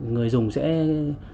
người dùng máy tính việt nam vn search